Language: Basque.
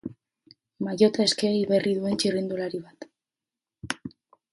Maillota eskegi berri duen txirrindulari bat.